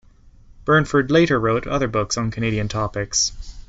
Burnford later wrote other books on Canadian topics.